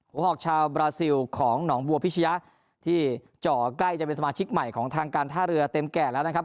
หอกชาวบราซิลของหนองบัวพิชยะที่จ่อใกล้จะเป็นสมาชิกใหม่ของทางการท่าเรือเต็มแก่แล้วนะครับ